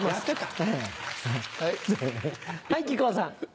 はい木久扇さん。